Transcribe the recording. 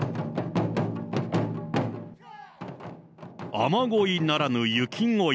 雨ごいならぬ、雪ごい。